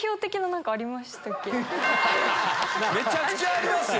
めちゃくちゃありますよ！